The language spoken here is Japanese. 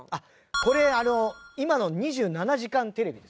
これ今の『２７時間テレビ』です。